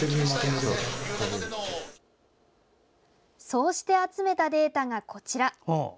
そうして集めたデータがこちら。